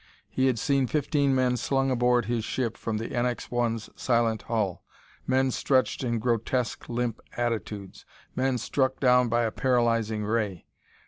He had seen fifteen men slung aboard his ship from the NX 1's silent hull; men stretched in grotesque, limp attitudes; men struck down by a paralyzing ray.